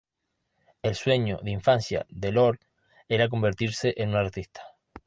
El sueño de infancia de Lord era convertirse en un artista.